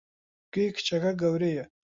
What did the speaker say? گوێی کچەکە گەورەیە!